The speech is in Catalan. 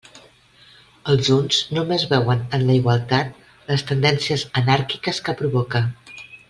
Els uns només veuen en la igualtat les tendències anàrquiques que provoca.